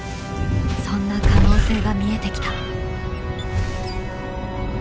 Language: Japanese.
そんな可能性が見えてきた。